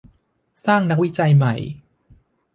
สร้างนักวิจัยใหม่